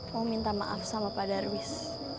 mau minta maaf sama pak darwis